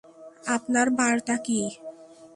আপনার বার্তা কি?